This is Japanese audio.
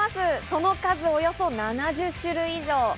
その数およそ７０種類以上。